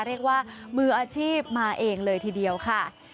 เรียกว่ามืออาชีพมาเองเลยทีเดียวค่ะ